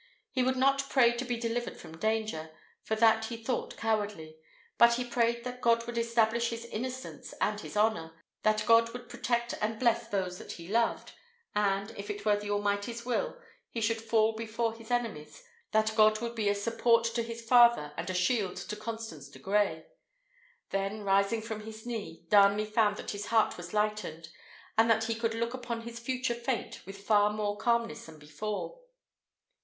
He would not pray to be delivered from danger, for that he thought cowardly; but he prayed that God would establish his innocence and his honour; that God would protect and bless those that he loved; and, if it were the Almighty's will he should fall before his enemies, that God would be a support to his father and a shield to Constance de Grey. Then rising from his knee, Darnley found that his heart was lightened, and that he could look upon his future fate with far more calmness than before.